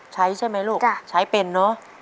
ใช้ใช่ไหมลูกใช้เป็นเนอะ